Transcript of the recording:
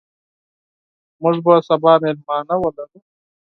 موږ به سبا میلمانه ولرو.